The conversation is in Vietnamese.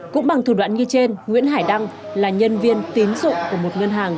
cũng bằng thủ đoạn như trên nguyễn hải đăng là nhân viên tín dụng của một ngân hàng